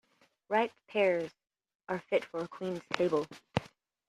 Ripe pears are fit for a queen's table.